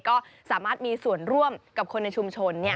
ก็สามารถมีส่วนร่วมกับคนในชุมชน